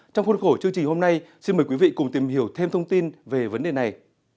trong khuôn khổ chương trình hôm nay xin mời quý vị cùng tìm hiểu thêm thông tin về vấn đề này